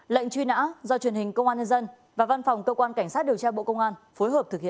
lệnh truy nã do truyền hình công an nhân dân và văn phòng cơ quan cảnh sát điều tra bộ công an phối hợp thực hiện